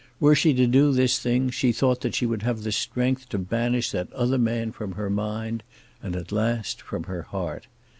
Were she to do this thing she thought that she would have strength to banish that other man from her mind, and at last from her heart.